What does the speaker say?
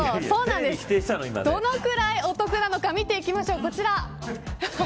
どのくらいお得なのか見ていきましょう。